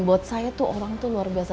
buat saya tuh orang tuh luar biasa